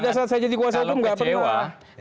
pada saat saya jadi kuasa hukum nggak perlu